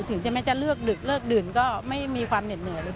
ถึงจะแม้จะเลือกดึกเลิกดื่นก็ไม่มีความเหน็ดเหนื่อยเลย